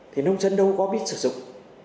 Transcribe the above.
thì nông dân đâu có biết sử dụng